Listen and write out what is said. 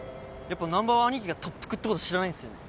やっぱ難破はアニキが特服ってこと知らないんですよね？